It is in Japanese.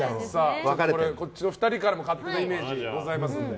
こっちの２人からも勝手なイメージございますので。